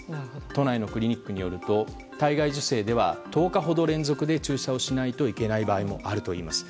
都内のクリニックによると体外受精では１０日ほど連続で注射しないといけない場合もあるということです。